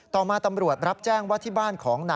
ต่อมาตำรวจรับแจ้งว่าที่บ้านของนาย